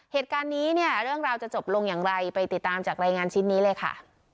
เหตุการณ์นี้เนี่ยเรื่องราวจะจบลงอย่างไรไปติดตามจากรายงานชิ้นนี้เลยค่ะ